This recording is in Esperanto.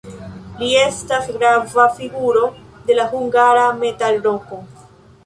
Li estas grava figuro de la hungara metalroko.